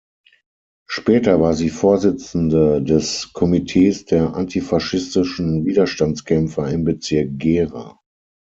Später war sie Vorsitzende des Komitees der Antifaschistischen Widerstandskämpfer im Bezirk Gera.